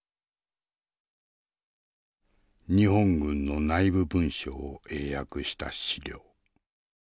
日本軍の内部文書を英訳した資料。